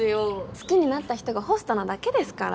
好きになった人がホストなだけですから。